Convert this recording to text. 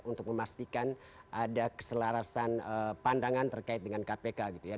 untuk memastikan ada keselarasan pandangan terkait dengan kpk gitu ya